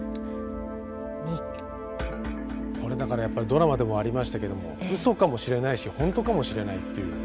これだからやっぱりドラマでもありましたけどもうそかもしれないし本当かもしれないっていう。